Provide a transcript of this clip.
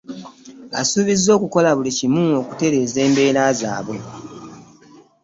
Asuubizza okukola buli kimu okutereeza embeera zaabwe